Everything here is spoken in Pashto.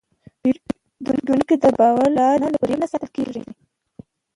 پیرودونکی د باور له لارې نه، له فریب نه ساتل کېږي.